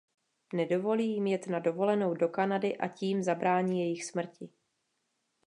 Nedovolí jim jet na dovolenou do Kanady a tím zabrání jejich smrti.